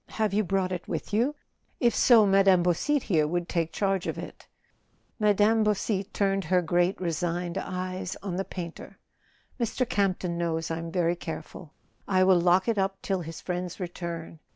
Have you brought it with you ? If so, Mme. Beausite here would take charge of it " Mme. Beausite turned her great resigned eyes on the painter. "Mr. Campton knows I'm very careful. I will lock it up till his friend's return.